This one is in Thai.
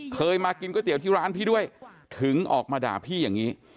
เคยมากินก๋วยเตี๋ยวที่ร้านพี่ด้วยถึงออกมาด่าพี่อย่างนี้